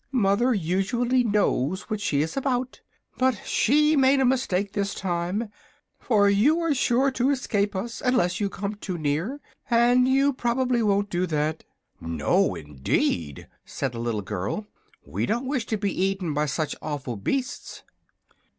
Mother usually knows what she is about, but she made a mistake this time; for you are sure to escape us unless you come too near, and you probably won't do that." "No, indeed!" said the little girl. "We don't wish to be eaten by such awful beasts."